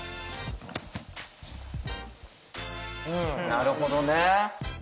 なるほどね。